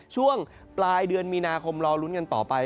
ช่วงปลายเดือนมีนาคมรอลุ้นกันต่อไป